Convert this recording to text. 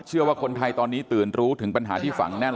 เชื่อว่าคนไทยตอนนี้ตื่นรู้ถึงปัญหาที่ฝังแน่น